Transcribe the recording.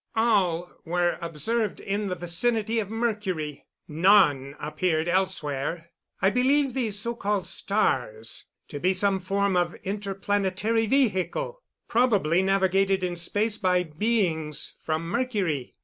All were observed in the vicinity of Mercury; none appeared elsewhere. I believe these so called "stars" to be some form of interplanetary vehicle probably navigated in space by beings from Mercury.